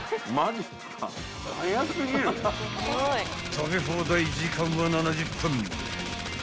［食べ放題時間は７０分］